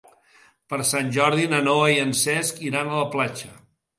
Per Sant Jordi na Noa i en Cesc iran a la platja.